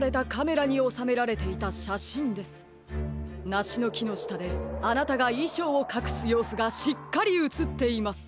なしのきのしたであなたがいしょうをかくすようすがしっかりうつっています。